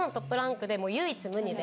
もう唯一無二で。